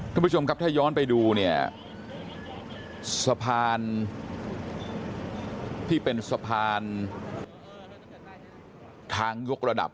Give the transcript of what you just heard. คุณผู้ชมครับถ้าย้อนไปดูเนี่ยสะพานที่เป็นสะพานทางยกระดับ